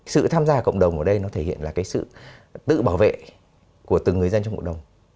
sự tham gia cộng đồng ở đây nó thể hiện là cái sự tự bảo vệ của từng người dân trong cộng đồng